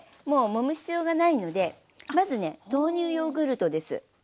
もうもむ必要がないのでまずね豆乳ヨーグルトです。